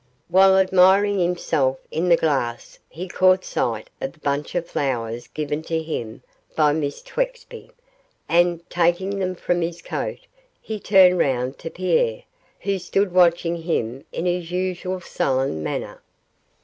While admiring himself in the glass he caught sight of the bunch of flowers given to him by Miss Twexby, and, taking them from his coat, he turned round to Pierre, who stood watching him in his usual sullen manner.